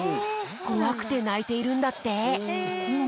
こわくてないているんだって。